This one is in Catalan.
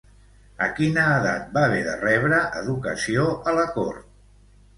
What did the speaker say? A quina edat va haver de rebre educació a la cort?